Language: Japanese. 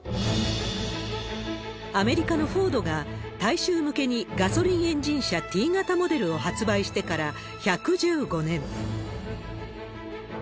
アメリカのフォードが、大衆向けにガソリンエンジン車、Ｔ型モデルを発売してから１１５年。